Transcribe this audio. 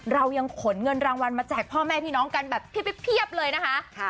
เรายังขนเงินรางวัลมาแจกพ่อแม่พี่น้องกันแบบเพียบเลยนะคะ